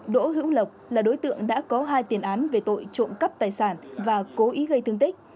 đỗ hữu lộc là đối tượng đã có hai tiền án về tội trộm cắp tài sản và cố ý gây thương tích